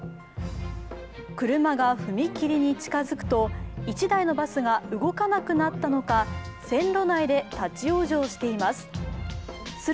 車が踏切に近づくと、１台のバスが動かなくなったのか線路内で立往生しています。